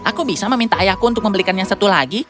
aku bisa meminta ayahku untuk membelikannya satu lagi